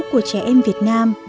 của trẻ em việt nam